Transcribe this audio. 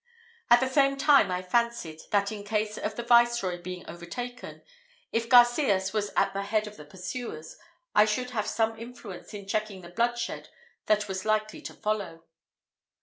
At the same time I fancied, that in case of the viceroy being overtaken, if Garcias was at the head of the pursuers, I should have some influence in checking the bloodshed that was likely to follow.